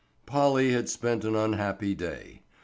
POLLY had spent an unhappy day.